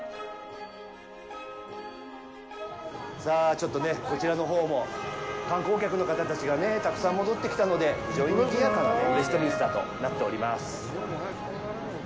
さあ、ちょっとね、こちらのほうも観光客の方たちがねたくさん戻ってきたので非常ににぎやかなウェストミンスターとなっております。